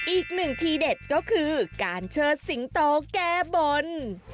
อีกหนึ่งทีเด็ดก็คือการเชิดสิงโตแก้บน